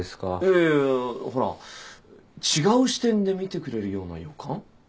いやいやほら違う視点で見てくれるような予感？